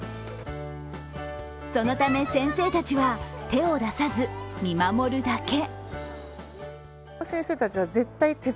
そのため、先生たちは手を出さず、見守るだけ。